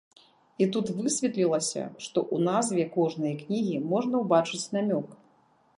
І тут высветлілася, што ў назве кожнай кнігі можна ўбачыць намёк.